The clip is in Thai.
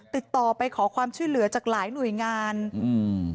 ติดต่อไปขอความช่วยเหลือจากหลายหน่วยงานอืม